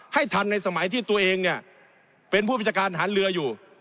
ให้ทันในสมัยที่ตัวเองเป็นผู้พิจารณ์ทันเรืออยู่